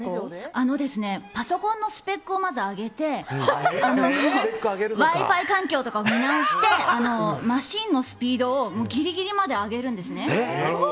パソコンのスペックをまず上げてＷｉ‐Ｆｉ環境とかを見直してマシンのスピードをギリギリまで上げるんですね。